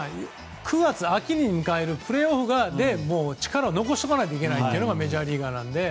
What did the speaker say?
９月、秋に迎えるプレーオフに力を残しておかないといけないのがメジャーリーガーなので。